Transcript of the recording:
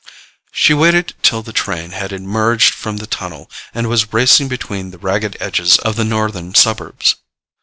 She waited till the train had emerged from the tunnel and was racing between the ragged edges of the northern suburbs.